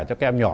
cho các em nhỏ